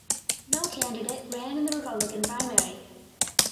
No candidate ran in the Republican primary.